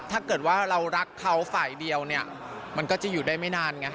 ถ้าเกิดว่าเรารักเขาฝ่ายเดียวเนี่ยมันก็จะอยู่ได้ไม่นานไง